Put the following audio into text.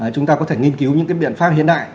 chúng ta có thể nghiên cứu những biện pháp hiện đại